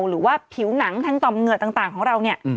หรือว่าผิวหนังทางต่อมเหงื่อต่างของเราเนี่ย